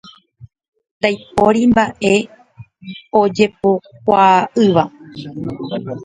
Ndaipóri mbaʼe ojapokuaaʼỹva.